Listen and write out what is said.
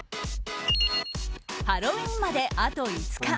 ハロウィーンまであと５日。